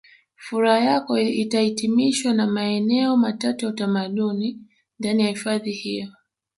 Furaha yako itahitimishwa na maeneo matatu ya utamaduni ndani ya hifadhi hiyo